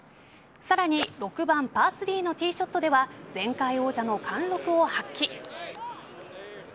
さらに６番パー３のティーショットでは前回王者の貫禄を発揮。